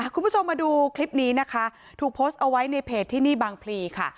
คุณผู้ชมมาดูคลิปนี้นะคะถูกโพสต์เอาไว้ในเพจที่นี่บางพลีค่ะ